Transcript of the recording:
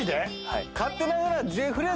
勝手ながら」